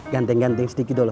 ganteng ganteng sedikit dulu